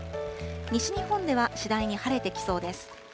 西日本では次第に晴れてきそうです。